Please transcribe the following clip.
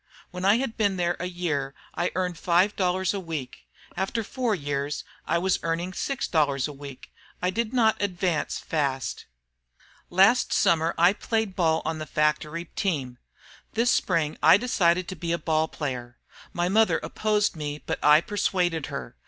When I had been there a year I earned five dollars a week. After four years I was earning six dollars. I did not advance fast." "Last Summer I played ball on the factory team. This Spring I decided to be a ball player. My mother opposed me, but I persuaded her.